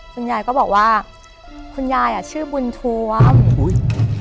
คุณยายก็บอกว่าคุณยายอ่ะชื่อบุญท้วมอุ้ย